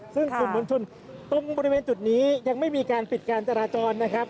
ซึ่งกลุ่มมวลชนตรงบริเวณจุดนี้ยังไม่มีการปิดการจราจรนะครับ